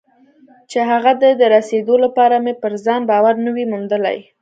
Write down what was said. چې هغه ته د رسېدو لپاره مې پر ځان باور نه وي موندلی.